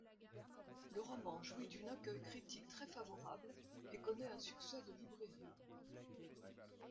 Le roman jouit d'une accueil critique très favorable et connaît un succès de librairie.